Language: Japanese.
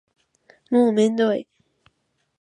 もうめんどい